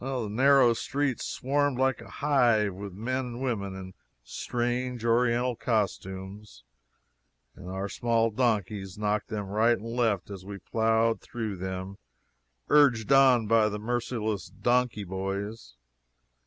The narrow streets swarmed like a hive with men and women in strange Oriental costumes, and our small donkeys knocked them right and left as we plowed through them, urged on by the merciless donkey boys.